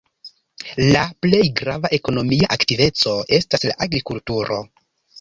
La plej grava ekonomia aktiveco estas la agrikulturo.